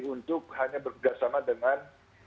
untuk hanya berkerjasama dengan